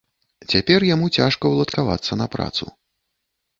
Цяпер яму цяжка уладкавацца на працу.